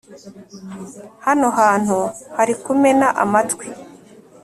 hano hantu hari kumena amatwi,